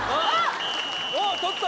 ・おっ取った！